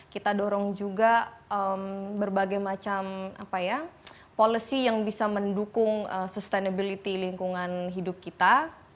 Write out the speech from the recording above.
kita dorong juga berbagai macam policy yang bisa mendukung sustainability lingkungan hidup kita